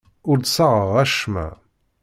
Ur d-ssaɣeɣ acemma.